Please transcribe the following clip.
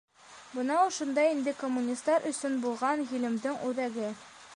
— Бына ошонда инде коммунистар өсөн булған ғилемдең үҙәге.